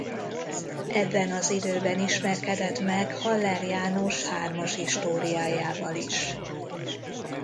Ebben az időben ismerkedett meg Haller János Hármas Istóriájával is.